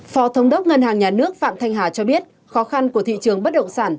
phó thống đốc ngân hàng nhà nước phạm thanh hà cho biết khó khăn của thị trường bất động sản